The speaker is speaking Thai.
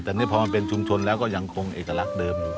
แต่นี่พอมันเป็นชุมชนแล้วก็ยังคงเอกลักษณ์เดิมอยู่